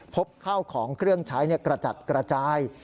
พบข้าวของเครื่องใช้กระจัดกระจาย